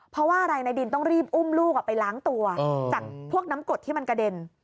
เพราะว่าอะไรในดินต้องรีบอุ้มลูกไปล้างตัวจากพวกน้ำกดที่มันกระเด็น